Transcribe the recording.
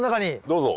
どうぞ。